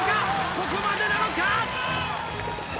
ここまでなのか？